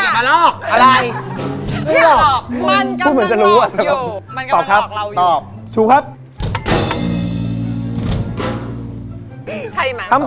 มันกำลังหลอกเรา